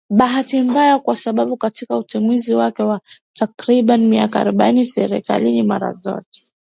bahati mbaya kwa sababu katika utumishi wake wa takribani miaka arobaini serikalini mara zote